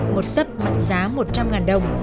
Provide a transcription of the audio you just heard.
một sấp mạnh giá một trăm linh triệu đồng